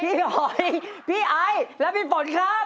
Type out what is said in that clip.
พี่หอยพี่ไอ้และพี่ฝนครับ